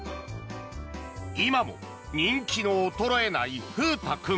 今も人気の衰えない風太君。